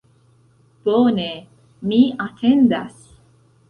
Bone, mi atendas